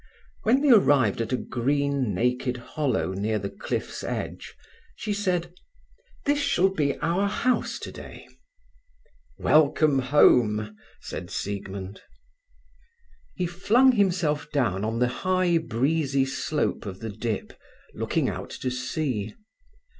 When they arrived at a green, naked hollow near the cliff's edge, she said: "This shall be our house today." "Welcome home!" said Siegmund. He flung himself down on the high, breezy slope of the dip, looking out to sea.